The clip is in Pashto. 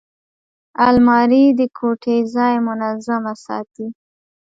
الماري د کوټې ځای منظمه ساتي